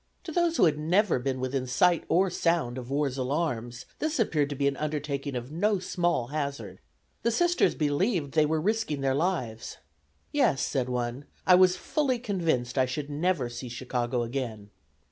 To those who had never been within sight or sound of "war's alarms," this appeared to be an undertaking of no small hazard. The Sisters believed they were risking their lives. "Yes," said one, "I was fully convinced I should never see Chicago again."